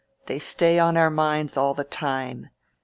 "They stay on our minds all the time.